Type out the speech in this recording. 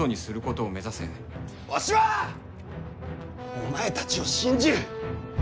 お前たちを信じる！